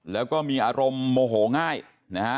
แล้วก็มีอารมณ์โมโหง่ายนะฮะ